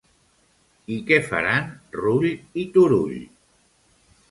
I què faran Rull i Turull?